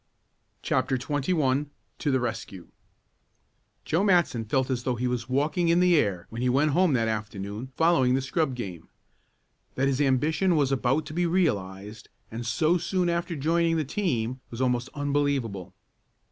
CHAPTER XXI TO THE RESCUE Joe Matson felt as though he was walking in the air when he went home that afternoon following the scrub game. That his ambition was about to be realized, and so soon after joining the team, was almost unbelievable.